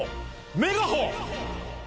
メガホン！